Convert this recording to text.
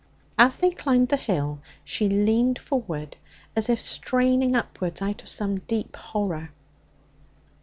As they climbed the hill she leaned forward, as if straining upwards out of some deep horror.